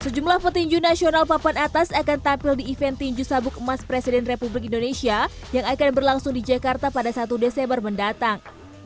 sejumlah petinju nasional papan atas akan tampil di event tinju sabuk emas presiden republik indonesia yang akan berlangsung di jakarta pada satu desember mendatang